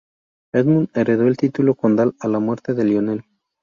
Edmund heredó el título condal a la muerte de Lionel.